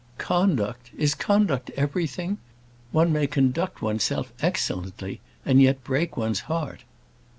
"Conduct! Is conduct everything? One may conduct oneself excellently, and yet break one's heart."